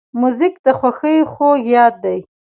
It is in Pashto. موزیک د خوښۍ خوږ یاد دی.